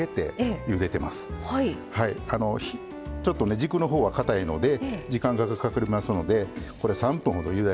ちょっと軸のほうはかたいので時間がかかりますのでこれ３分ほど湯がいてます。